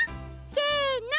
せの！